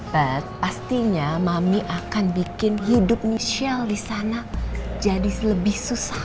nah pastinya mami akan bikin hidup michelle di sana jadi lebih susah